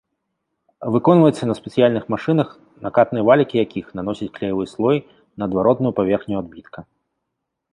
Выконваецца на спецыяльных машынах, накатныя валікі якіх наносяць клеявы слой на адваротную паверхню адбітка.